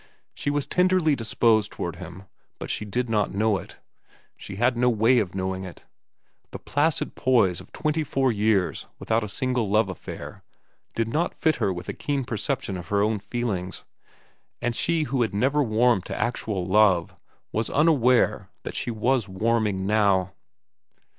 She was tenderly disposed toward him, but she did not know it. She had no way of knowing it. The placid poise of twenty four years without a single love affair did not fit her with a keen perception of her own feelings, and she who had never warmed to actual love was unaware that she was warming now.